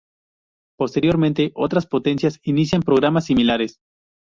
Posteriormente otras potencias inician programas similares.